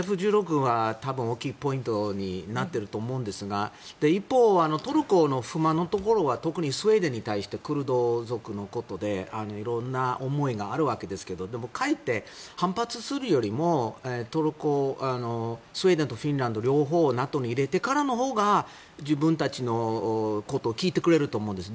Ｆ１６が大きいポイントになっていると思いますが一方、トルコの不満のところは特にスウェーデンに対してクルド族のことで色んな思いがあるわけですがでもかえって反発するよりもスウェーデンとフィンランド両方をＮＡＴＯに入れてからのほうが自分たちのことを聞いてくれると思うんです。